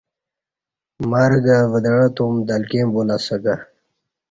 مرگہ ودعہ توم دلکیں بولہ اسہ کہ